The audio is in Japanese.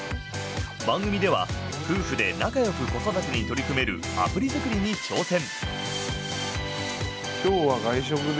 番組では夫婦で仲よく子育てに取り組めるアプリ作りに挑戦。